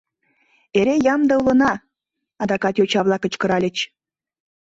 — Эре ямде улына! — адакат йоча-влак кычкыральыч.